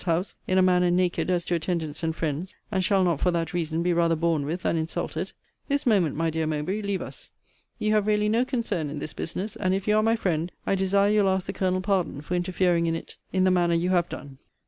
's house, in a manner naked as to attendants and friends, and shall not for that reason be rather borne with than insulted? This moment, my dear Mowbray, leave us. You have really no concern in this business; and if you are my friend, I desire you'll ask the Colonel pardon for interfering in it in the manner you have done.